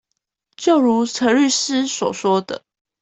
就如陳律師所說的